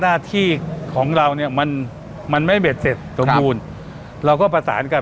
หน้าที่ของเราเนี่ยมันมันไม่เบ็ดเสร็จสมบูรณ์เราก็ประสานกัน